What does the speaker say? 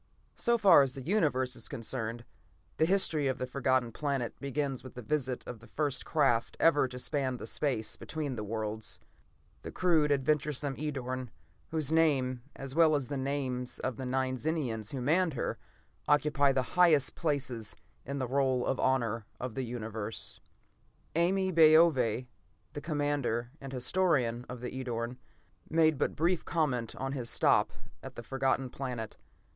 So far as the Universe is concerned, the history of the Forgotten Planet begins with the visit of the first craft ever to span the space between the worlds: the crude, adventuresome Edorn, whose name, as well as the names of the nine Zenians who manned her, occupy the highest places in the roll of honor of the Universe. Ame Baove, the commander and historian of the Edorn, made but brief comment on his stop at the Forgotten Planet.